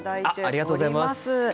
ありがとうございます。